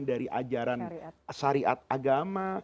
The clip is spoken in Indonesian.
dari ajaran syariat agama